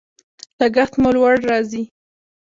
لګښت هم لوړ راځي.